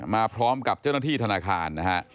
มาพร้อมกับเจ้าหน้าที่ธนาคารนะฮะ